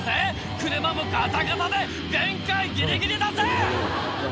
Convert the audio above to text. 車もガタガタで限界ギリギリだぜ！